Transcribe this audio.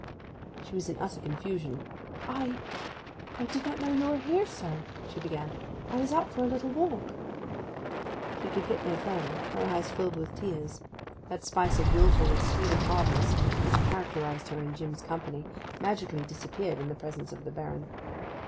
She was in utter confusion. 'I—I—did not know you were here, sir!' she began. 'I was out for a little walk.' She could get no further; her eyes filled with tears. That spice of wilfulness, even hardness, which characterized her in Jim's company, magically disappeared in the presence of the Baron.